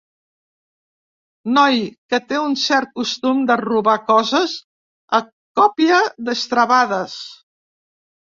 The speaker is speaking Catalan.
Noi que té un cert costum de robar coses a còpia d'estrebades.